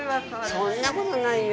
そんなことないよ。